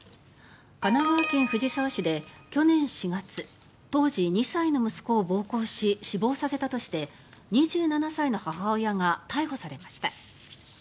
神奈川県藤沢市で去年４月当時２歳の息子を暴行し死亡させたとして２７歳の母親が逮捕されました。